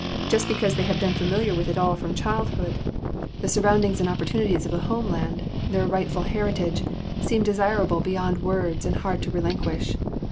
Just because they have been familiar with it all from childhood, the surroundings and opportunities of the homeland, their own rightful heritage, seem desirable beyond words and hard to relinquish.